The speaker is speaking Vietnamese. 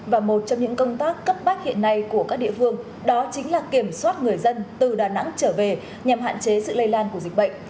và một trong những công tác cấp bách hiện nay của các địa phương đó chính là kiểm soát người dân từ đà nẵng trở về nhằm hạn chế sự lây lan của dịch bệnh